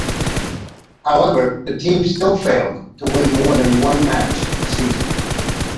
However, the team still failed to win more than one match a season.